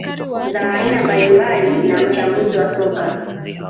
za aina mbalimbali na mchambuzi wa soka